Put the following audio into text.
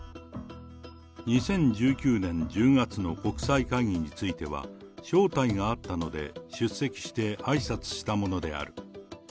２０１９年１０月の国際会議については招待があったので、出席してあいさつしたものである。